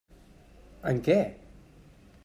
En què?